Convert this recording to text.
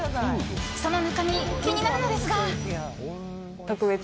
その中身、気になるのですが。